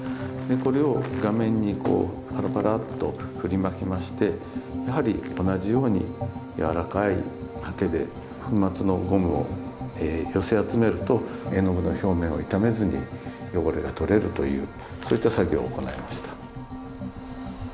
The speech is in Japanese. これを画面にこうパラパラッと振りまきましてやはり同じように柔らかいはけで粉末のゴムを寄せ集めると絵の具の表面を傷めずに汚れが取れるというそういった作業を行いました。